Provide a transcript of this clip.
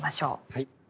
はい。